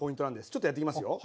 ちょっとやっていきますよ。